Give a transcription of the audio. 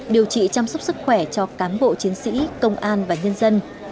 điều trị chăm sóc sức khỏe cho cán bộ chiến sĩ công an và nhân dân